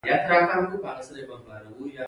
میرويس وپوښتل بازار څنګه دی اوس زور لري؟